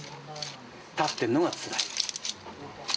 立ってるのがつらい。